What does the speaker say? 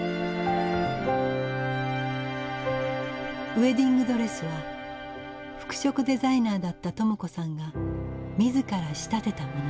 ウエディングドレスは服飾デザイナーだった朋子さんが自ら仕立てたものです。